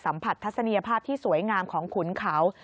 สัมผัสทัศนียภาพที่สวยงามของขุนเขา